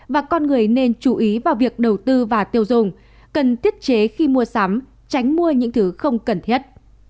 và con người nên chú ý vào việc đầu tư và tiêu dùng cần thiết chế khi mua sắm tránh mua những thứ không cần thiết